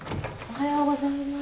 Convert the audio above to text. おはよう。